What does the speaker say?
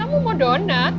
kamu mau donat